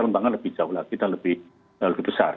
pengembangan lebih jauh lagi dan lebih besar